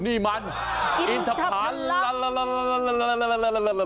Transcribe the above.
นี่มันอินทรัพย์ลาลาลาลา